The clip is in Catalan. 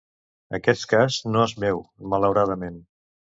Aquest cas no és meu, malauradament.